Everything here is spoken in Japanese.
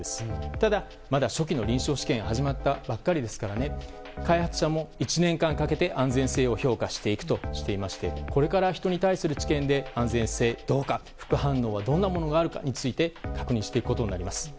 ただ、まだ初期の臨床試験が始まったばっかりですから開発者も１年間かけて安全性を評価していくとしていましてこれから人に対する治験で安全性はどうか副反応はどんなものがあるか確認していくことになります。